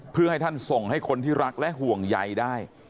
เพื่อให้ท่านส่งให้คนที่รักและห่วงใยได้